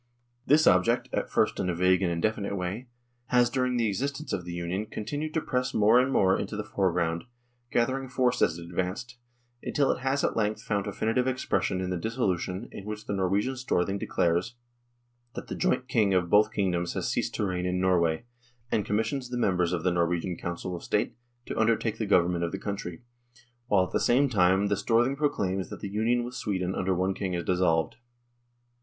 This object at first in a vague and indefinite way has during the existence of the Union continued to press more and more into the foreground, gather ing force as it advanced, until it has at length found definitive expression in the resolution in which the Norwegian Storthing declares that the joint King of both kingdoms has ceased to reign in Norway, and commissions the members of the Norwegian Council of State to undertake the Government of the country, while at the same time the Storthing proclaims that the Union with Sweden under one King is dissolved.